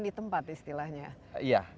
di tempat istilahnya